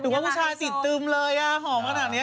หรือว่าผู้ชายติดตื่มเลยนะหอมมากนานเนี่ย